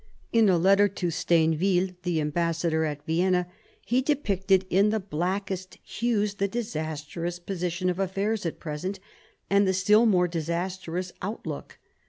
In a letter to Stain ville, the ambassador at Vienna, he depicted in the blackest hues the disastrous position of affairs at present, and the still more disastrous out look.